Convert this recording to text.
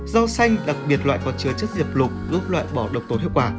rau xanh đặc biệt loại còn chứa chất diệp lục giúp loại bỏ độc tố hiệu quả